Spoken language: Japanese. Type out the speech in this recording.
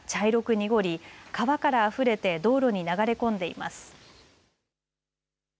濁り川からあふれて道路に流れ込んでいます。